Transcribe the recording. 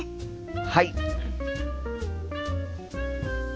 はい！